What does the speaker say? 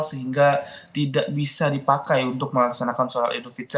sehingga tidak bisa dipakai untuk melaksanakan sholat idul fitri